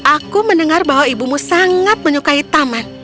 aku mendengar bahwa ibumu sangat menyukai taman